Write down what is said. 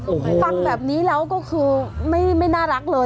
ฟังแบบนี้แล้วก็คือไม่น่ารักเลย